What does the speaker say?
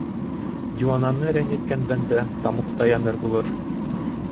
Диуананы рәнйеткән бәндә тамуҡта яныр булыр...